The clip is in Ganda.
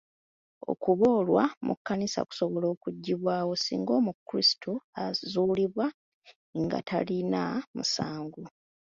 Okuboolwa mu kkanisa kusobola okuggibwawo singa omukrisitu azuulibwa nga talina musango.